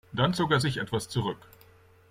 Dann zog er sich etwas zurück.